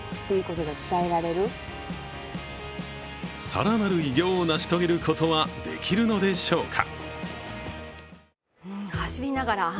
更なる偉業を成し遂げることはできるのでしょうか。